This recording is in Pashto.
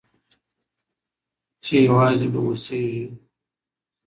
چي یوازي به اوسېږې